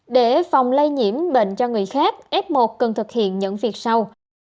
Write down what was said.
để phòng lây nhiễm bệnh cho người khác f một cần thực hiện những việc sau